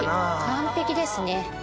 完璧ですね。